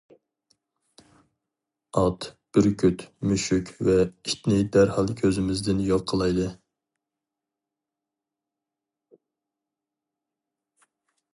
ئات، بۈركۈت، مۈشۈك ۋە ئىتنى دەرھال كۆزىمىزدىن يوق قىلايلى.